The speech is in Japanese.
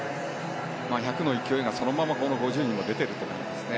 １００の勢いがそのまま５０にも出ているという感じですね。